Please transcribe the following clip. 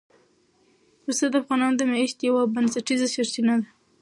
پسه د افغانانو د معیشت یوه بنسټیزه سرچینه ده.